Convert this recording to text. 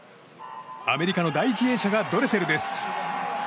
アメリカの第１泳者がドレセルです。